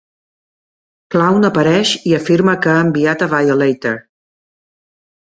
Clown apareix i afirma que ha enviat a Violator.